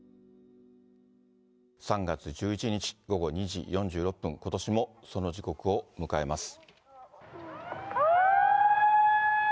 ３月１１日午後２時４６分、ことしもその時刻を迎えます。